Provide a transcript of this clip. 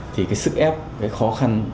thì cái sức ép cái khó khăn